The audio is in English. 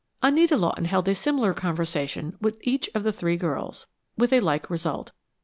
Anita Lawton held a similar conversation with each of the three girls, with a like result.